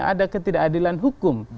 ada ketidakadilan hukum